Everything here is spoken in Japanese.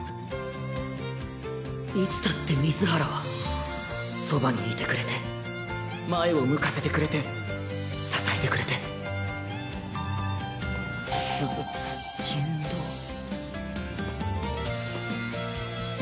いつだって水原はそばにいてくれて前を向かせてくれてははっしんどっ。